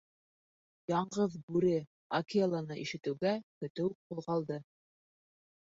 Яңғыҙ Бүре — Акеланы ишетеүгә көтөү ҡуҙғалды.